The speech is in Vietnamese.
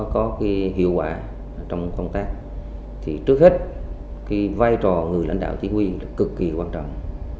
có khi hiệu quả trong công tác thì trước hết khi vai trò người lãnh đạo chỉ huy cực kỳ quan trọng